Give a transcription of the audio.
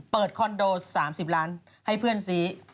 เปิดคอนโด๓๐ล้านบาทให้เพื่อนซี้